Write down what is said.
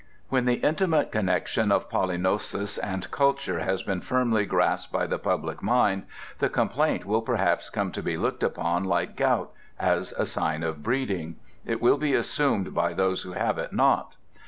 When the intimate connection of pollinosis and culture has been firmly grasped by the public mind, the complaint will perhaps come to be looked upon like gout, as a sign of breeding. It will be assumed by those who have it not....